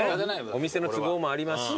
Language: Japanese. お店の都合もありますしね。